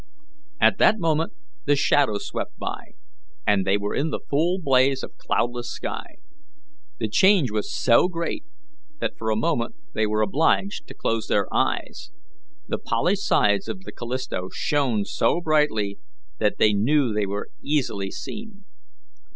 At that moment the shadow swept by, and they were in the full blaze of cloudless day. The change was so great that for a moment they were obliged to close their eyes. The polished sides of the Callisto shone so brightly that they knew they were easily seen.